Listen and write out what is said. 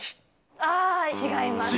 ああ、違います。